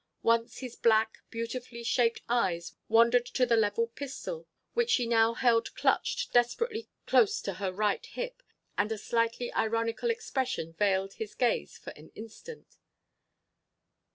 Once his black, beautifully shaped eyes wandered to the levelled pistol which she now held clutched desperately close to her right hip, and a slightly ironical expression veiled his gaze for an instant.